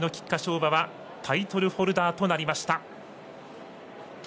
馬はタイトルホルダーとなりました！